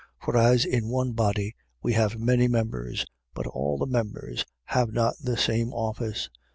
12:4. For as in one body we have many members, but all the members have not the same office: 12:5.